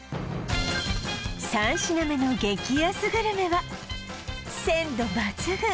３品目の激安グルメは鮮度抜群！